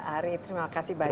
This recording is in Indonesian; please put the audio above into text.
ari terima kasih banyak